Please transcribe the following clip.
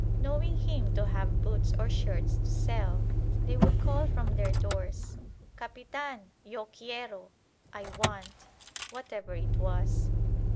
Knowing him to have boots or shirts to sell, they would call from their doors, "Capitan, yo quiero" ("I want"), whatever it was.